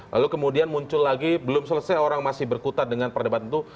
lalu kemudian muncul lagi belum selesai orang masih berkutat dengan perdebatan itu